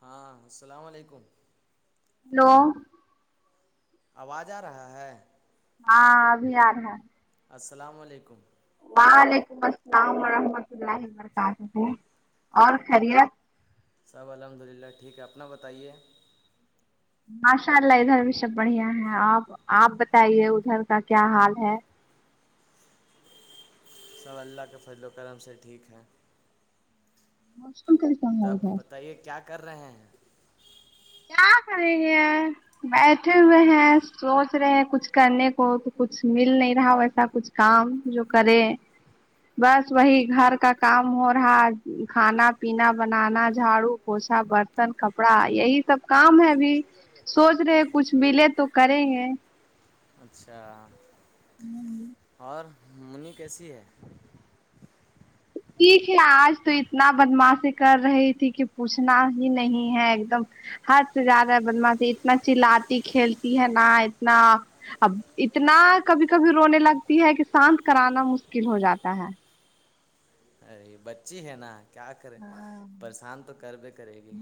ہاں السلام علیکم ہیلو آواز آ رہا ہے ہاں ابھی آ رہا ہے السلام علیکم وعلیکم السلام ورحمۃ اللہ وبرکاتہ اور خیریت سب الحمد للہ ٹھیک ہے اپنا بتائیے ماشاء اللہ ادھر بھی سب بڑھیا ہے آپ آپ بتائیے ادھر کا کیا حال ہے سب اللہ کے فضل و کرم سے ٹھیک ہے بس کر تب بتائیے کیا کر رہے ہیں کیا کریں گے بیٹھے ہوئے ہیں سوچ رہے ہیں کچھ کرنے کو تو کچھ مل نہیں رہا ویسا کچھ کام جو کرے بس وہی اچھا گھر کا کام ہو رہا کھانا پینا بنانا جھاڑو پوچھا برتن کپڑا یہی تب کام ہے ابھی سوچ رہے کچھ ملے تو کریں گے اچھا [inaudible] اور منی کیسی ہے ٹھیک ہے آج تو اتنا بدمعاشی کر رہی تھی کہ پوچھنا ہی نہیں ہے ایک دم حد سے زیادہ ہے بدمعاشی اتنا چلاتی کھیلتی ہے نا اتنا اب اتنا کبھی کبھی رونے لگتی ہے کہ شانت کرانا مشکل ہو جاتا ہے رہ بچی ہے نا کیا کریں ہاں پریشان تو کر بھی کرے گی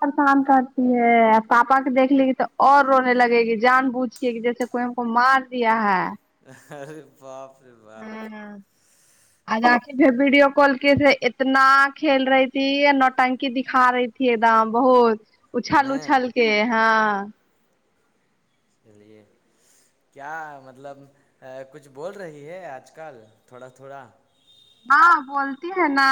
پرشان کرتی ہے پاپا کے دیکھ لے گی تو اور رونے لگے گی جان بوجھ کے گی جیسے کوئی کو مار دیا ہے ارے باپ رے باپ عنہ کے پھر ویڈیو کال کے تھے اتنا کھیل رہی تھی نو ٹنکی دکھا رہی تھی یہ دام بہت اچھال نے اچھال کے ہاں چلیے کیا مطلب کچھ بول رہی ہے آج کل تھوڑا تھوڑا ہاں بولتی ہے نا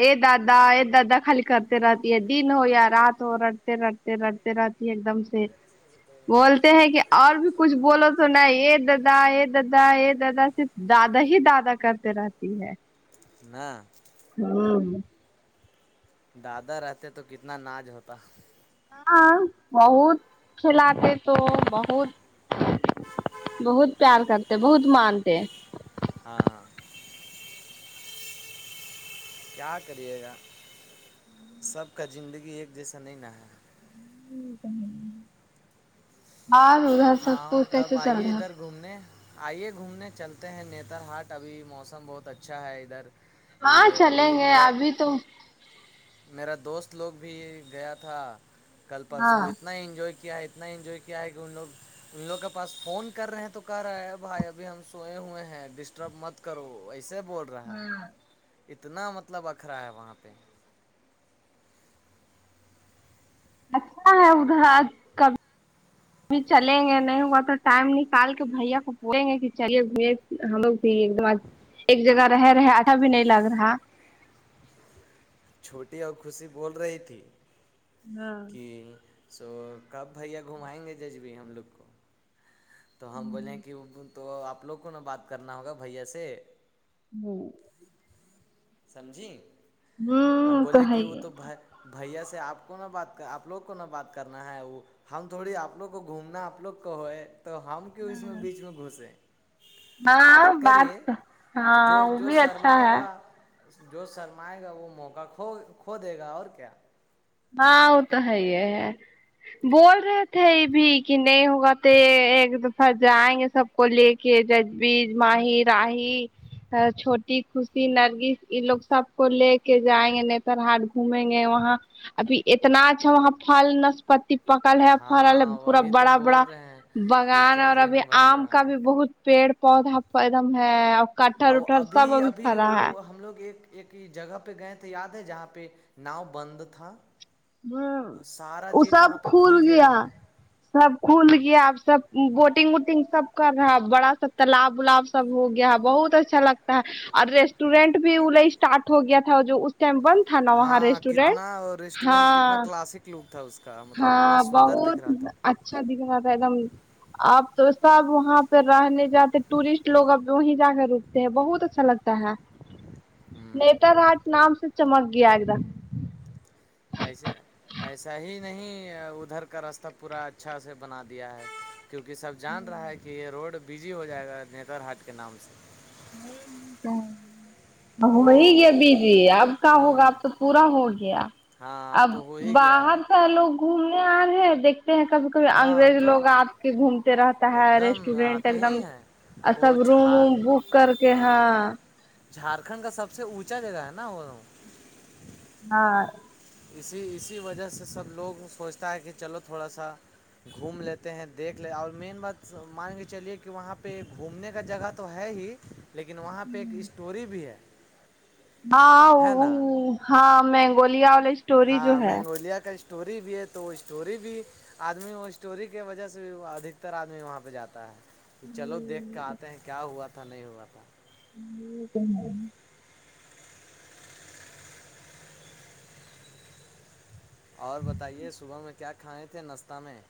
اے دادا اے دادا خالی کرتے رہتی ہے دن ہو یا رات ہو ر رڑتے رڑتے رہتی ایک دم سے بولتے ہیں کہ اور بھی کچھ بولو تونا یہ دادا یہ دادا یہ دادا صرف دادا ہی دادا کرتے رہتی ہے نہ ہوں دادا رہتے تو کتنا ناج ہوتا ہاں بہت کھلاتے تو بہت بہت پیار کرتے بہت مانتے ہاں کیا کریے گا سب کا زندگی ایک جیسا نہیں نہ اور ادھر ہاں ستپور تب کیسے چل آئیے رہا ادھر گھومنے آئیے گھومنے چلتے ہیں نتر ہاٹ ابھی موسم بہت اچھا ہے ادھر ہاں یہ چلیں ابھی گے میرا ابھی تو میرا دوست لوگ بھی گیا تھا کل ہاں پرسوں اتنا انجوائے کیا ہے اتنا انجوائے کیا ہے کہ ان لوگ ان لوگ کے پاس فون کر رہے ہیں تو کہہ رہے ہے بھائی ابھی ہم سوئے ہوئے ہیں ڈسٹ رپ مت کرو ایسے بول رہا ہاں ہے اتنا مطلب اکھرا ہے وہاں پہ اچھا ہے ادھر ا کبھی ابھی چلیں گے نہیں ہوا تو ٹائم نکال کے بھیا کو بولیں گے کہ چلیے ہم لوگ بھی ایک دم ایک جگہ رہ رہے آٹا بھی نہیں لگ رہا چھوٹی اور خوشی بول رہی تھی ہاں کہ سو کب بھیا گھومائیں گے ججوی ہم لوگ کو تو ہم بولے کہ یوں تو آپ لوگ کو نا بات کرنا ہوگا بھیا سے ہاں سمجھی ہم تو بولے ہے کہ وہ ہی تو بہ بھیا سے آپ کو نہ بات کر آپ لوگ کو نہ بات کرنا ہے وہ ہم تھوڑی آپ لوگ کو گھومنا آپ لوگ کو ہوئے تو ہم کیوں اس میں بیچ میں گھسے ہاں بات کرئیے ہاں جو وہ جو بھی اچھا سرمائے ہے گا جو سرمائے گا وہ موقع کھو کھو دے گا اور کیا ہاں وہ تو ہے یہ ہے بول رہے تھے یہ بھی کہ نہیں ہوگا تو ایک دفعہ جائیں گے سب کو لے کے ججویز ماہی راہی چھوٹی خوشی نرگس یہ لوگ سب کو لے کے جائیں گے نتر ہاٹ گھومیں گے وہاں ابھی اتنا اچھا وہاں پھل نسپتی پکل ہے پھل ہاں پورا وہی تو بڑا بول بڑا رہے ہیں کہ بگان اور چلیے ابھی نا بھائی آم کا ہاں بھی بہت پیڑ پودا پھل دم ہےاب اور ابھی ابھی وہ ہم لوگ ایک ایک ہی جگہ پہ گئے تو یاد ہے جہاں پہ ناؤ بند تھا ہاں اور سارا وہ چیز سب وہاں پہ کھول کھل گیا ہے سب کھل گیا اب سب بوٹنگ وٹنگ سب کر رہا اب بڑا سک تالاب ولاب سب ہو گیا بہت اچھا لگتا ہے اور ریسٹورینٹ بھی وہ لے اسٹارٹ ہو گیا تھا جو اس ٹائم بند تھا نا وہاں ہاں ریسٹورینٹ کتنا وہ ریسٹورینٹ کتنا ہاں کلاسک لک تھا اس کا مطلب کتنا ہاں سندر دیکھ بہت رہا تھا اچھا دیکھ رہا تھا ایک دم اب تو سب وہاں پہ رہنے جاتے ٹورسٹ لوگ اب وہی جا کر روکتے ہیں بہت اچھا لگتا ہے نیتر ہاٹ نام سے چمک گیا ہے ادھر ایسے ایسا ہی نہیں ادھر کا رستہ پورا اچھا سے بنا دیا ہے کیونکہ سب جان رہا ہے کہ یہ روڈ بزی ہو جائے گا نیتر ہاٹ کے نام سے [unintelligible] ہو او ہی گئے بزی اب کا ہوگا ہوں اب تو پورا ہو گیا ہاں اب تو ہو ہی گیا باہر ہے سے لوگ گھومنے آ رہے ہیں دیکھ ہیں کبھی کبھی ہاں انگریز تو لوگ آپ کے گھومتے رہتا ہے ایک دم ریسٹورینٹ ایک آتے دم ہی ہیں ا وہ سب روم جھا بک کر ہاں جھارکھنڈ کا سب سے اونچا جگہ ہے نا وہ ہاں اسی اسی وجہ سے سب لوگ سوچتا ہے کہ چلو تھوڑا سا گھوم لیتے ہیں دیکھ لیتے اور مین بات مان کے چلیے کہ وہاں پہ گھومنے کا جگہ تھا تو ہے ہی لیکن وہاں پہ ایک اسٹوری بھی ہے ہاں ہے نا ہاں مینگولیا وال ہاں مینگولیا کا اسٹوری بھی ہے تو وہ اسٹوری بھی آدمی وہ اسٹوری کی وجہ سے بھی ادکتر آدمی وہاں پہ جاتا ہے کہ چلو دیکھ کے آتے ہیں کیا ہوا تھا نہیں ہوا تھا یہ تو اور بتائیے صبح میں کیا کھائے تھے ناشتہ میں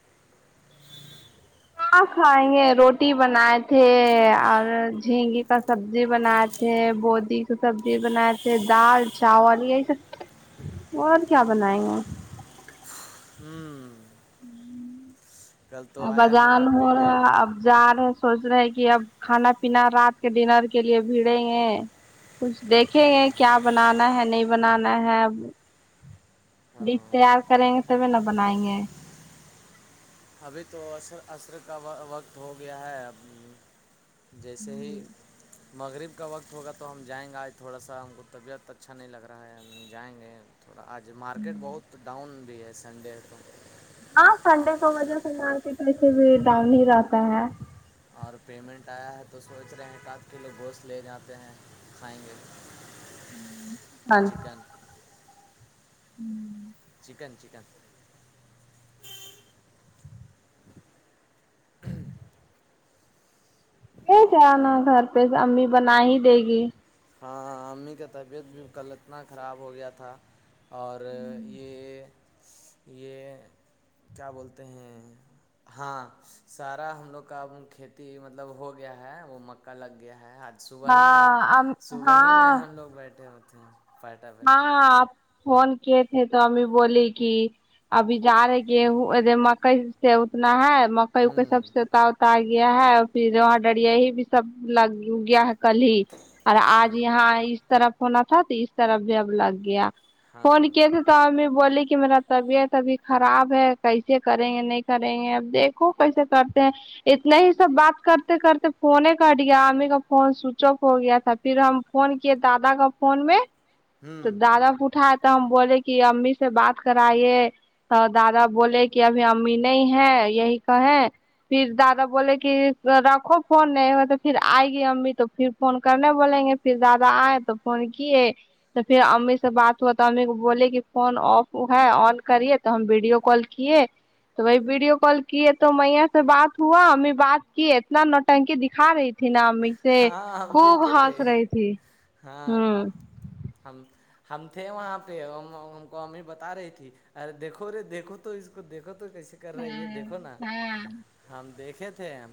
اؤ آ کھائیں گے روٹی بنائے تھے اور جھینگے کا سبزی بنائے تھے بوٹی کی سبزی بنائے تھے دال چاول یہی سب اور کیا بنائےگے ہوں کل تو ا آیا بجان میرا ہوا پیمنٹ [unintelligible] جا رہے ہیں سوچ رہے ہیں کہ اب کھانا پینا رات کے ڈنر کے لیے بھیڑیں گے کچھ دیکھیں گے کیا بنانا ہے نہیں بنانا ہے ڈش ہاں تیار کریں گے تبھی نہ بنائیں گے ابھی تو عصر عصر کا وقت ہو گیا ہے اب جیسے ہی مغرب کا وقت ہوگا تو ہم جائیں گے آج تھوڑا سا ہم کو طبیعت اچھا نہیں لگ رہا ہے ہم جائیں گے تھوڑا آج مارکیٹ بہت ڈاؤن بھی ہے سنڈے تو ہاں سنڈے کو دو بجے سے مارکیٹ ویسے ہی ڈاؤن بھی رہتا ہے اور پیمنٹ آیا ہے تو سوچ رہے ہیں ایک ات کلو گوشت لے جاتے ہیں کھائیں گے چکن ہوں چکن چکن لے جانا گھر پہ امی بنا ہی دے گی ہاں امی کا طبیعت بھی کل اتنا خراب ہو گیا تھا اور یہ یہ کیا بولتے ہیں ہاں سارا ہم لوگ کاب کھیتی مطلب ہو گیا ہے وہ مکا لگ گیا ہے ہاد ہاں تو وہی میں ہاں ہم لوگ بیٹھے ہوتے ہیں پاٹا پہ ہاں آپ فون کی تھے تو امی بولی کہ ابھی جا رہے گیا ہوں مکئی سے اتنا ہے اکے ہوں سب ستا اتا گیا ہے اور پھر وہاں ڈریا ہی بھی سب لگ گیا ہے کل ہی اور آج ہوں یہاں اس طرف ہونا تھا تو اس طرف بھی اب لگ گیا فون ہاں کی تھے تو امی بولی کہ میرا طبیعت ابھی خراب ہے کیسے کریں گے نہیں کریں گے اب دیکھ خو کیسے کرتے ہیں اتنے ہی سب بات کرتے کرتے فونے کٹ گیا امی کا فون سوئچ آف ہو گیا تھا پھر ہم فون کیے دادا کے فون میں تو ہوں دادا اٹھاائے تو ہم بولے کہ امی سے بات کرائیے تو دادا بولے کہ ابھی امی نہیں ہے یہی کہیں پھر دادا بولے کہ رکھو فون نہیں ہو تو پھر آئے گی امی تو پھر فون کرنے بولیں گے پھر دادا آئ تو فون کیے تو پھر امی سے بات ہوا تو امی کو بولے کی فون آف ہے آن کریے تو ہم ویڈیو کال کیے تو وہی ویڈیو کال کیے تو میا سے بات ہوا امی بات کی اتنا نو ٹنکی دکھا رہی تھی نا امی سے ہاں ہم خوب دیکھے تھے ہنس رہی تھی ہاں ہمم ہم ہم تھے وہاں پے ان کو امی بتا رہی تھی ارے دیکھو راے دیکھو تو اس کو دیکھو تو کیسے کر رہی ہے دیکھو نا ہاں ہم دیکھے تھے ہم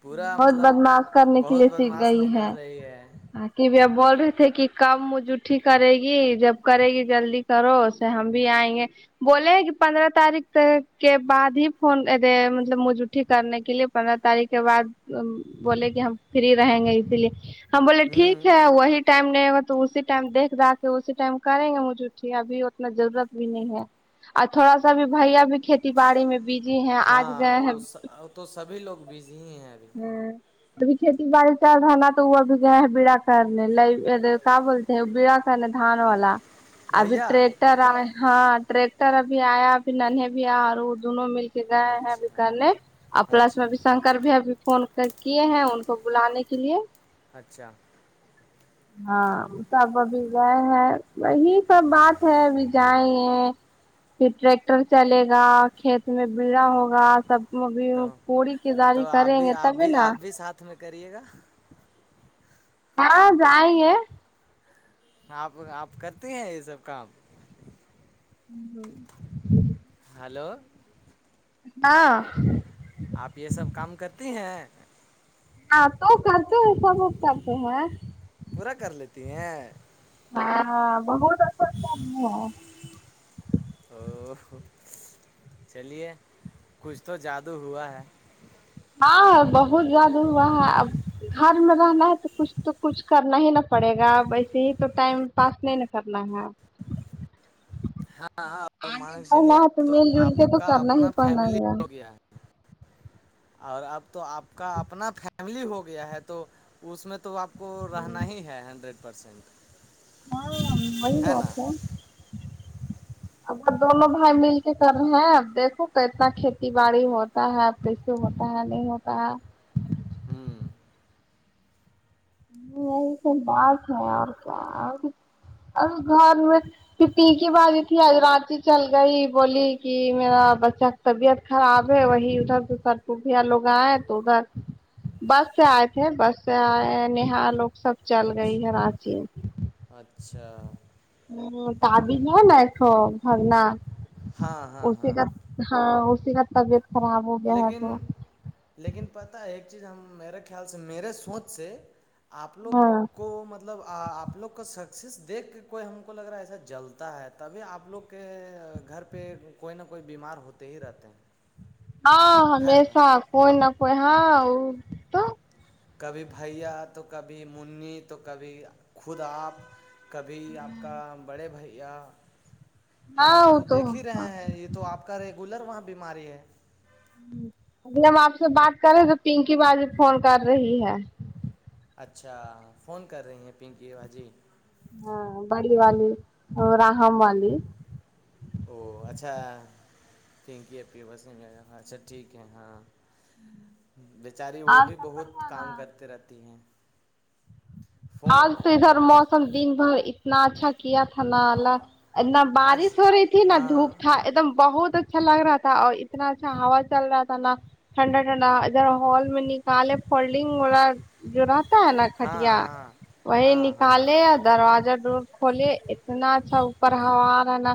پورا بہت مطلب بدماش کرنے کے بہت لیے سیکھ بدماش گئی نکل ہے رہی ہے کی وہو اب بول رہے تھے کی کب منہ جھوٹی کرے گی جب کرے گی جلدی کرو سے ہم بھی آئیں گے بولے رہے ہیں کی پندرہ تاریخ کے بعد ہی فون دے مطلب منہ جھوٹی کرنے کے لیے پندرہ تاریخ اس کے بعد بولے کی ہم فری رہیں گے اسی لیے ہم بولے ٹھیک ہوں ہے وہی ٹائم نہیں ہوا تو اسی ٹائم دیکھ رہا کے اسی ٹائم کریں گے منہ جھوٹی ابھی اتنا ضرورت بھی نہیں ہے آ اور تھوڑا سا بھی بھیا بھی کھیتی باڑی میں بھی ہاں وہ تو سبھی لوگ بزی ہی ہیں ابھی ہمم ابھی کھیتی باڑی چل رہ نا تو وہ ابھی گیے بیڑا کرنے لئی کیا بولتے ہیں بیڑا کرنے دھان والا ابھی بھیا ٹرک ٹر ائے ہاں ٹریکٹر ابھی آیا ابھی ننھےبھی عرود انہوں مل کے گئے ہیں ابھی اچھا کرنے اور پلس میں اچھا بھی شنکر بھیا بھی فون کیے ہیں ان کو بلانے کے لیے اچھا ہاں سب ابھی گئے ہیں وہی سب بات ہے ابھی جائے یے پھر ٹریکٹر چلے گا کھیت میں بیڑا ہوگا سب وہ ابھی تو پڑی کی داری تو آپ کریں بھی گے آپ تبھی بھی نا آپ بھی ساتھ میں کریے گا ہاں جائے گے آپ آپ کرتے ہیں یے سب کام ہمم ہلو ہاں آپ یے سب کام کرتی ہیں ہاں تو کرتے ہیں سب وہ کرتے ہیں پورا کر لیتی ہیں ہاں ہاں بہت [unintelligible] ہے چلیے کچھ تو جادو ہوا ہے ہاں بہت جادہ ہوا ہے اب گھر میں رہنا ہے تو کچھ تو کچھ کرنا ہی نہ پڑے گا اب ایسے ہی تو ٹائم پاس نہیں نہ کرنا ہے ہاں ہاں مانک سے پڑھنا لیا ہے تو مل جل آپ کے تو کا کرنا اپنا ہی پڑنا فیملی ہے ہاں ہو گیا ہے اور اب تو آپ کا اپنا فیملی ہو گیا ہے تو اس میں تو آپ کو رہنا ہی ہے ہنڈریڈ پرسینٹ ہاں وہی بات ہے اب دونوں بھائی مل کے کر رہے ہیں اب دیکھو کتنا کھیتی باڑی ہو ہوتا ہے اپ دیکھیے ہوتا ہے نہیں ہوتا ہے ہمم یہی توہ بات ہے اور کیا ا گھر میں پھر تین کی بات یہ تھی آج رات چل گئی بولی کہ میرا بچہ طبیعت خراب ہے وہی ادھر سر خفیہ لوگ آئے تو ادھر بس سے آئے تھے بس سے آئے نہا لوگ سب چل اچھا گئی ہے راچین اچھا ہاں ہاں ہاں [unintelligible] ہاں اسی کا تبیت لیکن لیکن پتہ ہے ایک چیز ہم میرے خیال سے میرے سوچ سے آپ لوگ ہاں کو مط مطلب آپ لوگ کا سکسیس دیکھ کے کوئی ہم کو لگ رہا ہے ایسا جلتا ہے تبھی آپ لوگ کہ گھر پہ کوئی نہ کوئی بیمار ہوتے ہی رہتے ہیں ہاں ہے نا ہمیشہ کوئی نہ کوئی ہاں ؤ کبھی بھیا تو کبھی منی تو کبھی خود آپ کبھی آپ کا بڑے بھیا ہم ہاں وہ تو دیکھ ہی ہاں رہے ہیں یہ تو آپ کا ریگولر وہاں بیماری ہے ابھی ہم آپ سے بات کر رہے تو پنکی بجی فون کر رہی ہے اچھا فون کر رہی ہیں پنکی باجی ہاں بڑی والی اور راہم والی او اچھا تھینکی [unintelligible] اچھا ٹھیک ہے ہاں بیچاری وہ اور بھی سب بہت بڑھیا نا کام کرتے رہتی ہیں آج فون تو ادھر موسم دن بھر اتنا اچھا کیا تھا نا الله ہاں نہ آج بارش ہو رہی تھی نہ ہاں دھوپ تھا ایک دم بہت اچ چھا لگ رہا تھا اور اتنا اچھا ہوا چل رہا تھا نا ٹھنڈا ٹھنڈا ادھر ہال میں نیکالے پہڑلنگ [unintelligible] جو رہتا ہے نا ہاں کھٹیا ہاں یہ ہاں ہاں نکالے دروازہ ڈور کھولے اتنا اچھا اوپر ہوا ارہا نا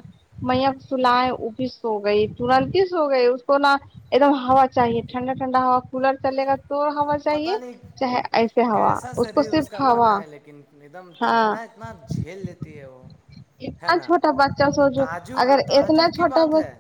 مینک سلائے اوپس سوگئی تورنت ہی سوگئی اس کو نا ایک دم ہوا چاہیے ٹھنڈا ٹھنڈا ہوا کولر چلے گا تو ہوا چاہیے پتہ نہیں چاہے ایسے ہوا کیسا اس کو شریر صرف کا بنا ہوا ہے لیکن ایک دم ہاں ٹھنڈا اتنا جھیل لیتی ہے وہ ہے اتنا نا چھوٹا بچہ سوچو تعجب اگر اتنا تعجب کی بات چھوٹا ہے